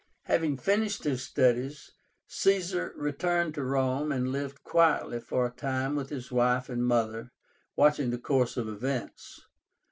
Having finished his studies, Caesar returned to Rome and lived quietly for a time with his wife and mother, watching the course of events.